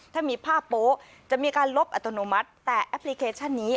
ถ้ามีผ้าโป๊ะจะมีการลบอัตโนมัติแต่แอปพลิเคชันนี้